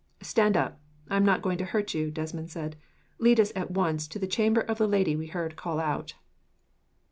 "Stand up. I am not going to hurt you," Desmond said. "Lead us, at once, to the chamber of the lady we heard call out."